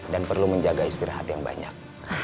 dan perlu menjaga istirahat yang banyak